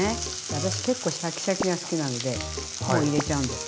私結構シャキシャキが好きなんでもう入れちゃうんです。